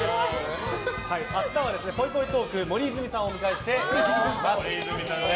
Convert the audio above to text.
明日は、ぽいぽいトーク森泉さんをお迎えしてお送りします。